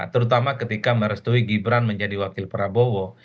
terutama ketika merestui gibran menjadi wakil prabowo